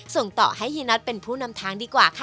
ส่งต่อให้เฮีน็อตเป็นผู้นำทางดีกว่าค่ะ